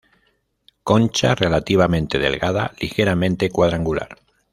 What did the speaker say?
Concha relativamente delgada, ligeramente cuadrangular.